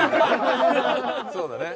そうだね。